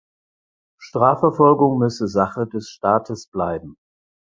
Strafverfolgung müsse Sache des Staates bleiben.